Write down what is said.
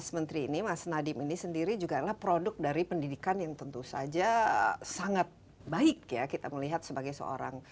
mas menteri ini mas nadiem ini sendiri juga adalah produk dari pendidikan yang tentu saja sangat baik ya kita melihat sebagai seorang